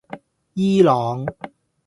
伊朗